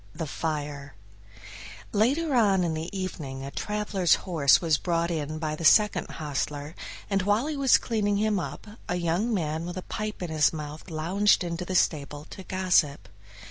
16 The Fire Later on in the evening a traveler's horse was brought in by the second hostler, and while he was cleaning him a young man with a pipe in his mouth lounged into the stable to gossip.